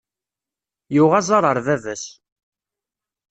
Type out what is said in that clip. Yuɣ aẓaṛ ar bab-as.